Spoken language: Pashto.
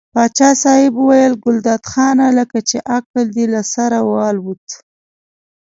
پاچا صاحب وویل ګلداد خانه لکه چې عقل دې له سره والوت.